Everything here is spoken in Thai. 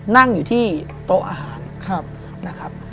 นั่งอยู่ที่โต๊ะอาหาร